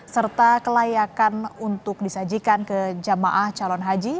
serta kelayakan untuk disajikan ke jamaah calon haji